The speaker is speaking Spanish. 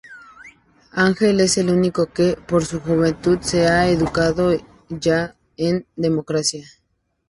Ángel es el único que, por su juventud, se ha educado ya en democracia.